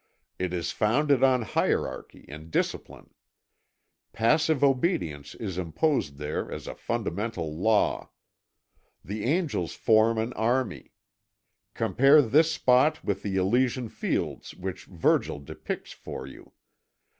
It is founded on hierarchy and discipline. Passive obedience is imposed there as a fundamental law. The angels form an army. Compare this spot with the Elysian Fields which Virgil depicts for you.